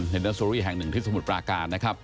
เดอร์สุรีแห่งหนึ่งที่สมุทรปราการนะครับ